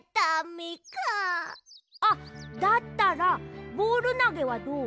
あっだったらボールなげはどう？